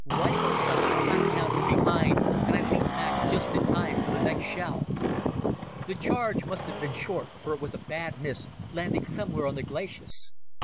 Rifle shots cracked out from behind, and I leaped back just in time for the next shell. The charge must have been short, for it was a bad miss, landing somewhere on the glacis.